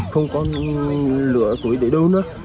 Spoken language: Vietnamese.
không còn lửa cuối để đưa nữa